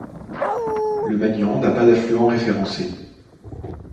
Le Magnan n'a pas d'affluent référencé.